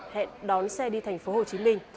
hẹn đón xe đi tp hcm